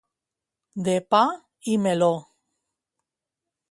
De pa i meló.